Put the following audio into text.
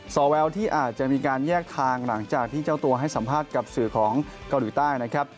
อแววที่อาจจะมีการแยกทางหลังจากที่เจ้าตัวให้สัมภาษณ์กับสื่อของเกาหลีใต้นะครับ